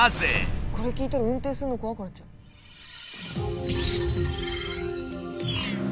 これ聞いたら運転するの怖くなっちゃう。